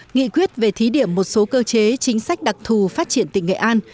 nghị quyết về thí điểm một số cơ chế chính sách đặc thù phát triển tỉnh nghệ an